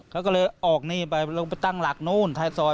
เขาก็เลยออกนี่ไปลงไปตั้งหลักนู้นท้ายซอย